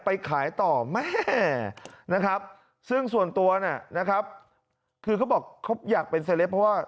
ไปขายต่อแม่นะครับซึ่งส่วนตัวนะครับคือเขาบอกเขาอยากเป็นเซลปเพราะว่า